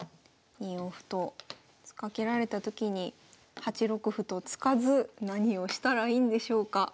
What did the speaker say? ２四歩と突っかけられたときに８六歩と突かず何をしたらいいんでしょうか？